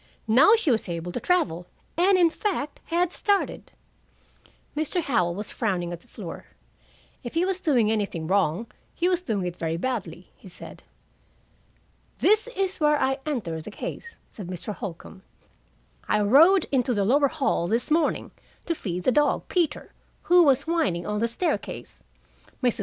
Now she was able to travel, and, in fact, had started." Mr. Howell was frowning at the floor. "If he was doing anything wrong, he was doing it very badly," he said. "This is where I entered the case," said Mr. Holcombe, "I rowed into the lower hall this morning, to feed the dog, Peter, who was whining on the staircase. Mrs.